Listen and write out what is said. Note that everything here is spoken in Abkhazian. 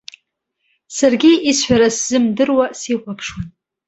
Саргьы исҳәара сзымдыруа сихәаԥшуан.